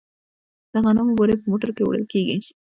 د غنمو بورۍ په موټرو کې وړل کیږي.